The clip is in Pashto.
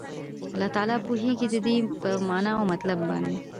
الله تعالی پوهيږي ددي په معنا او مطلب باندي